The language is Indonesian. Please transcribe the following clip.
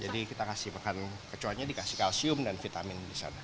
jadi kita kasih makan kecoanya dikasih kalsium dan vitamin disana